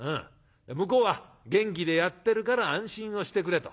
向こうは元気でやってるから安心をしてくれと。